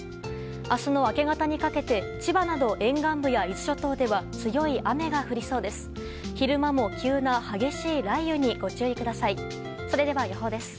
明日の明け方にかけて千葉など沿岸部や伊豆諸島では強い雨が降りそうです。